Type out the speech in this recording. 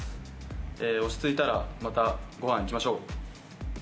落ち着いたら、またごはん行きましょう。